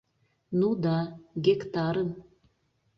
— Ну да, гектарым!